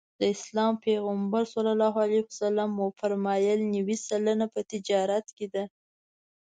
د اسلام پیغمبر ص وفرمایل نوې سلنه په تجارت کې ده.